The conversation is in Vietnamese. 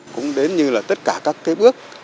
cũng đến như là tất cả các bước